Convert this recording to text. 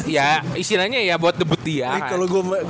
ya istilahnya ya buat debut dia